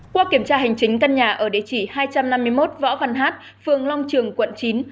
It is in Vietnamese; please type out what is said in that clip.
qua kiểm tra hành chính căn nhà ở địa chỉ hai trăm năm mươi một võ văn hát phường long trường quận chín